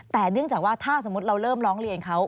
แต่เนื่องจากว่าถ้าสมมุติเราเริ่มร้องเรียนเขา